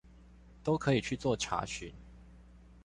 都可以去做查詢